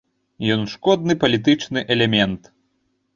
Ён шкодны палітычны элемент!